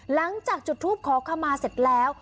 หลังจากจุดทูปขอขมาเสร็จแล้ว